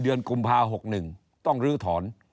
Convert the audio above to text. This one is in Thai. เดือนกุมภาคม๖๑ต้องรื้อถอน